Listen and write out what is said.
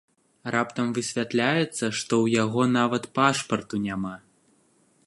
Раптам высвятляецца, што ў яго нават пашпарту няма!